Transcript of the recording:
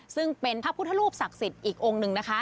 ซึ่งเป็นพระพุทธรูปศักดิ์สิทธิ์อีกองค์หนึ่งนะคะ